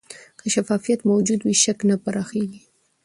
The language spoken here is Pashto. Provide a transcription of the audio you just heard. که شفافیت موجود وي، شک نه پراخېږي.